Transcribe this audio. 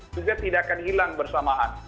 juga tidak akan hilang bersamaan